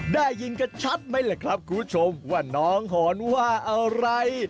ได้ยินกันชัดไหมล่ะครับคุณผู้ชมว่าน้องหอนว่าอะไร